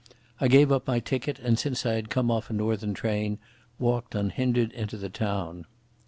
I gave up my ticket and, since I had come off a northern train, walked unhindered into the town.